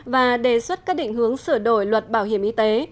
và đề xuất các định hướng sửa đổi luật bảo hiểm y tế